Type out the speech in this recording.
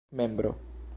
membro